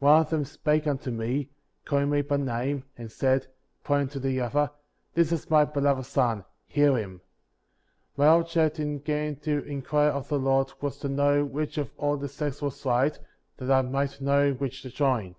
One of them spake unto me, calling me by name, and said, pointing to the other — This is my beloved Son, hear him ! 18. My object in going to inquire of the Lord was to know which of all the sects was right, that I might know which to join.